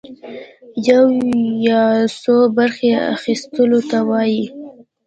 يوه يا څو برخي اخيستلو ته وايي.